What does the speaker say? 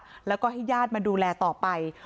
รูปปั้นนางเงือกเป็นสัญลักษณ์ของชายหาดแหลมซิมิลา